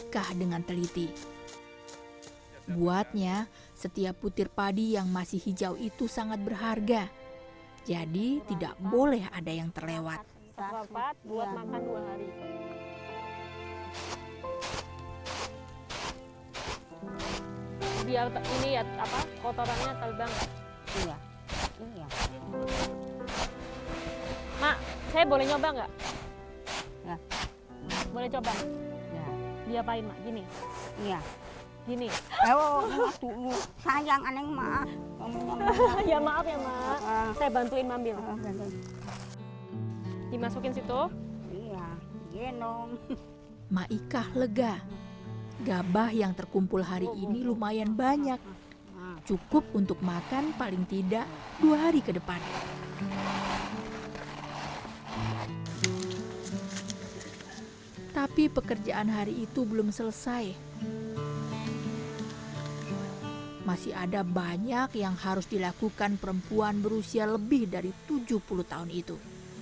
karena aisyah sudah ada yang menjaga saya memutuskan mengikuti kegiatan ma icah hari itu